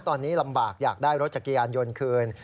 ตอนนี้ลำบากอยากได้รถจักรยานยนต์คืน